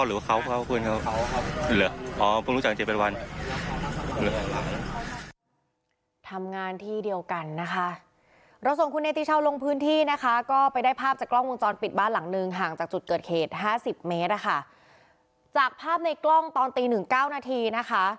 เราส่งคุณเนติชาวลงพื้นที่นะคะก็ไปได้ภาพจากกล้องวงจรปิดบ้านหลังนึงห่างจากจุดเกิดเหตุ๕๐เมตรนะคะจากภาพในกล้องตอนตีหนึ่งเก้านาทีนะคะ